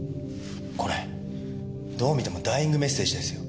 これどう見てもダイイングメッセージですよ。